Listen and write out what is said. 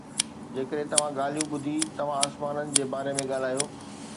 جيڪڏهن توهان ڳالهيون ٻڌي، توهان آسمانن جي باري ۾ ڳالهايو.